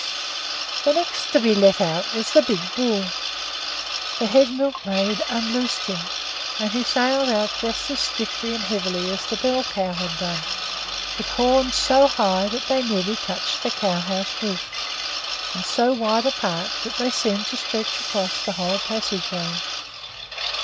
The next to be let out was the big bull. The head milkmaid unloosed him, and he sailed out just as stiffly and heavily as the bell cow had done, with horns so high that they nearly touched the cow house roof, and so wide apart that they seemed to stretch across the whole passageway.